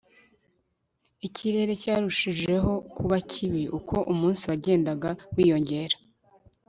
ikirere cyarushijeho kuba kibi uko umunsi wagendaga wiyongera